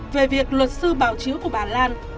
về việc luật sư bảo chứa của bà lan